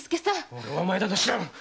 俺はお前なんか知らん！